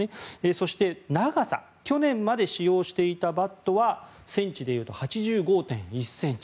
そして、長さ去年まで使用していたバットはセンチで言うと８５．１ｃｍ。